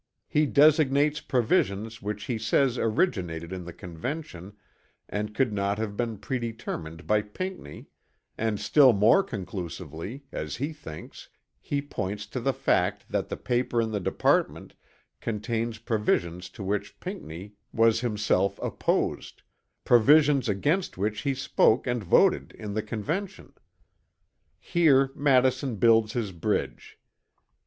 He designates provisions which he says originated in the Convention and could not have been predetermined by Pinckney; and still more conclusively, as he thinks, he points to the fact that the paper in the Department contains provisions to which Pinckney was himself opposed, provisions against which he spoke and voted in the Convention. Here Madison builds his bridge.